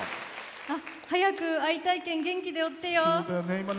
早く会いたいけん元気でおってよ！